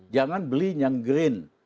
jangan beli yang green